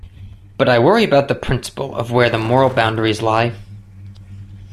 But I worry about the principle of where the moral boundaries lie.